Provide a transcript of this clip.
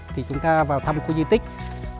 và chúng ta vào khu di tích lê đồng